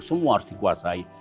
semua harus dikuasai